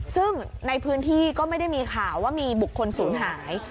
ซึ่งในพื้นที่ก็ไม่ได้มีข่าวว่ามีบุคคลศูนย์หาย